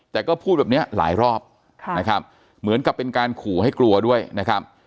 แต่ก็พูดแบบเนี้ยหลายรอบแล้วก็เป็นการขู่ให้กลัวด้วยนะครับ